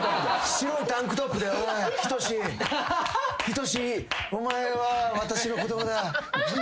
白いタンクトップで「おい人志人志お前は私の子供だ」